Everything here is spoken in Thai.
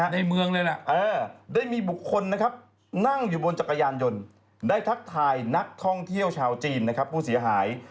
ได้มีบุคคลนั่งอยู่บนจักรยานยนต์ได้ทักทายนักท่องเที่ยวชาวจีนผู้เสียหาย